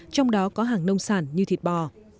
trong đó có hàng nông sản như thịt bò